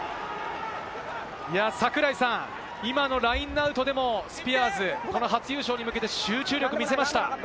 櫻井さん、今のラインアウトでもスピアーズ、この初優勝に向けて集中力を見せました。